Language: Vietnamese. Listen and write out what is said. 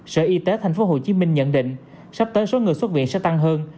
sở y tế tp hcm nhận định sắp tới số người xuất viện sẽ tăng hơn